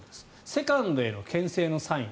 セカンドへのけん制のサイン